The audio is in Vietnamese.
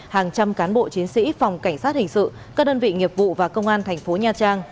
hàng trăm cán bộ chiến sĩ phòng cảnh sát hình sự các đơn vị nghiệp vụ và công an thành phố nha trang